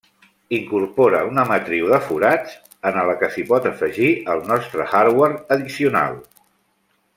Incorpora una matriu de forats en la que s'hi pot afegir el nostre hardware addicional.